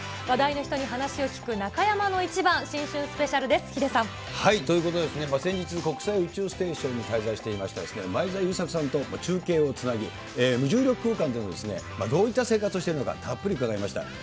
話題の人に話を聞く、中山のイチバン、新春スペシャルです。ということで、先日、国際宇宙ステーションに滞在していました前澤友作さんと中継をつなぎ、無重力空間でどういった生活をしているのか、たっぷり伺いました。